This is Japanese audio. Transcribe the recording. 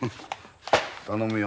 頼むよ。